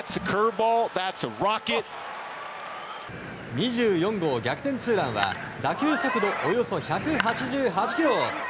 ２４号逆転ツーランは打球速度およそ１８８キロ。